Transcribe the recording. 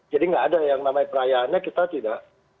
jadi tidak ada yang namanya perayaannya kita tidak memiliki